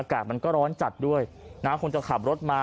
อากาศมันก็ร้อนจัดด้วยนะคงจะขับรถมา